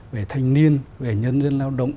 về thanh niên về nhân dân lao động